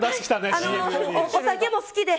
お酒も好きで。